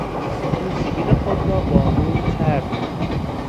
او سبیل خود را با موم چرب میکند.